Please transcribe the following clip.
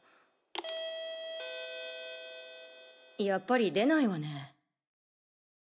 やっぱり出ないわねぇ。